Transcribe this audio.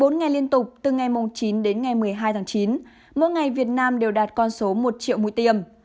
bốn ngày liên tục từ ngày chín đến ngày một mươi hai tháng chín mỗi ngày việt nam đều đạt con số một triệu mũi tiêm